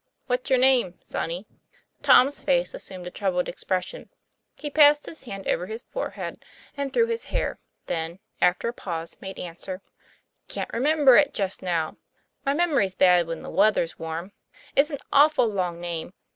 'What's your name, Sonny?" Tom's face assumed a troubled expression; he passed his hand over his forehead and through his hair then, after a pause, made answer: "Can't remember it just now. My memory's bad when the weather's warm. It's an awful long name.